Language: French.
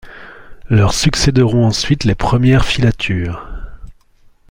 Leur succéderont ensuite les premières filatures.